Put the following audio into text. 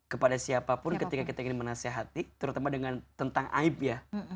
kepada siapapun ketika kita ingin menasehati terutama dengan tentang aib ya